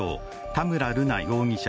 田村瑠奈容疑者